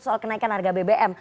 soal kenaikan harga bbm